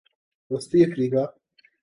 وسطی افریقہ